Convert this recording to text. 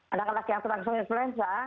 anak anak yang terlalu terlalu influenza